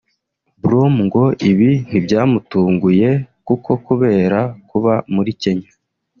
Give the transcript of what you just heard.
Brom ngo ibi ntibyamutunguye kuko kubera kuba muri Kenya